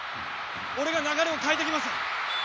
俺が流れを変えてきます！